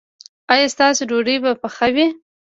ایا ستاسو ډوډۍ به پخه وي؟